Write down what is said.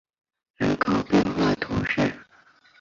圣莫冈人口变化图示